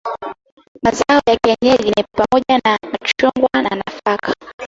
Mazao ya kienyeji ni pamoja na machungwa na nafaka.